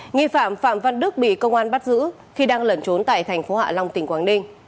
nghi phạm phạm văn đức bị công an bắt giữ khi đang lẩn trốn tại thành phố hạ long tỉnh quảng ninh